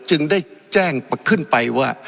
จึงได้แจ้งขึ้นไปว่า